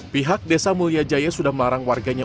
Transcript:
pihak desa mulia jaya sudah melarang warganya